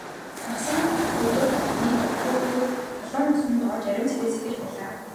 Хагас сайн өдөр нийт хүүхдүүд халуун усанд орж ариун цэвэр сахиж байлаа.